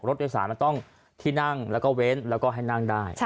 รถโดยสารมันต้องที่นั่งแล้วก็เว้นแล้วก็ให้นั่งได้